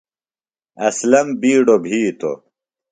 اسلم بِیڈوۡ بِھیتوۡ ۔